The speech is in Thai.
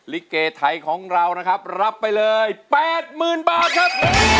ลิเกไทยของเรานะครับรับไปเลย๘๐๐๐บาทครับ